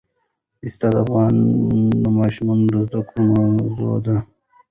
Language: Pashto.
پسه د افغان ماشومانو د زده کړې موضوع ده.